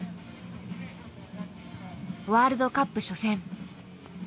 ワールドカップ初戦。